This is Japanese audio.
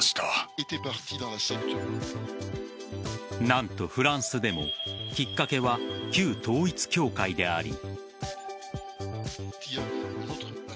何とフランスでもきっかけは旧統一教会であり。